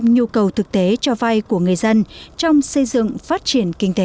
ba mươi ba mươi năm nhu cầu thực tế cho vay của người dân trong xây dựng phát triển kinh tế